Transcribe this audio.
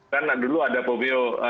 kan dulu ada pomeo